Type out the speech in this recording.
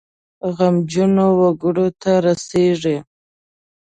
غمجنو وګړو ته رسیږي.